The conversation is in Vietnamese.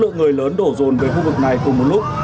lượng người lớn đổ rồn về khu vực này cùng một lúc